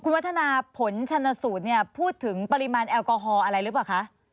วัฒนาผลชนสูตรเนี่ยพูดถึงปริมาณแอลกอฮอล์อะไรหรือเปล่าคะ